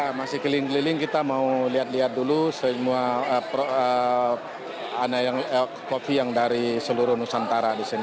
ya masih keliling keliling kita mau lihat lihat dulu semua kopi yang dari seluruh nusantara di sini